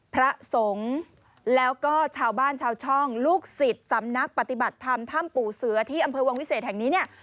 พระสงฆ์แล้วก็ชาวบ้านชาวช่องลูกศิษย์สำนักปฏิบัติธรรมถ้ำปู่เสือที่อำเภอวังวิเศษแห่งนี้เนี่ย